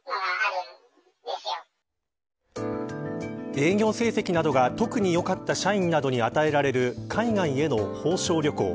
営業成績などが特に良かった社員などに与えられる海外への報奨旅行。